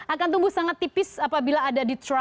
akan tumbuh sangat tipis apabila ada detrosi